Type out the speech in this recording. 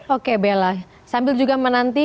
oke bella sambil juga menanti